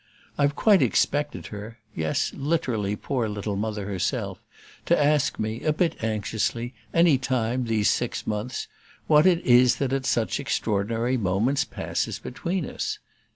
I've quite expected her yes, literally poor little Mother herself to ask me, a bit anxiously, any time these six months, what it is that at such extraordinary moments passes between us.